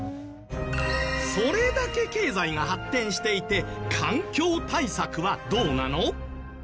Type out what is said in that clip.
それだけ経済が発展していて環境対策はどうなの？